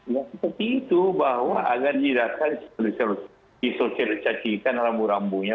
ya seperti itu bahwa agar tidak disosialisasi dengan rambu rambunya